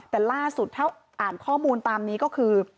แต่ล่าสุดถ้าอ่านข้อมูลตามนี้ก็คือ